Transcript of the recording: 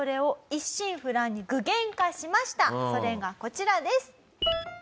それがこちらです。